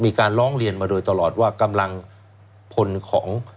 มีการร้องเรียนมาโดยตลอดว่ากำลังพลของ